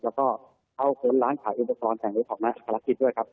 แล้วก็เอาข้นร้านขายอุปกรณ์แสงรูปของนายอาคารกิจด้วยครับ